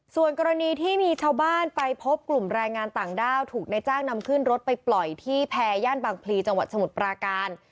ส่วนกรณีที่มีชาวบ้านไปพบกลุ่มแรงงานต่างด้าวถูกนายจ้างนำขึ้นรถไปปล่อยที่แพรย่านบางพลีจังหวัดสมุทรปราการ